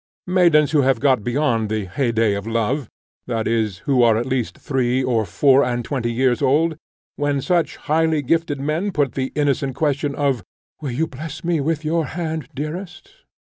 Maidens who have got beyond the heyday of love, that is, who are at least three or four and twenty years old when such highly gifted men put the innocent question of "Will you bless me with your hand, dearest?"